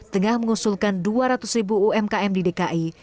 tengah mengusulkan dua ratus ribu umkm di dki